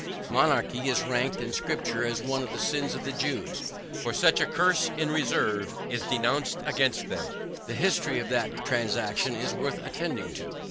Monarchy is ranked in scripture as one of the sins of the Jews, for which a curse in reserve is denounced against them. The history of that transaction is worth attending to.